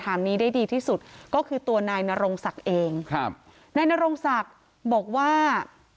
ถามนี้ได้ดีที่สุดก็คือตัวนายนรงศักดิ์เองครับนายนรงศักดิ์บอกว่า